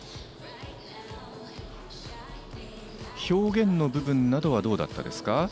表現の部分などはどうだったでしょうか。